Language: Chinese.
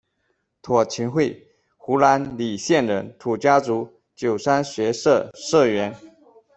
庹勤慧，湖南澧县人，土家族，九三学社社员。